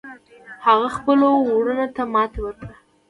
هغه خپلو وروڼو ته ماتې ورکړه.